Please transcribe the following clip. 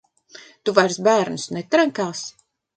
Tu vairs bērnus netrenkāsi?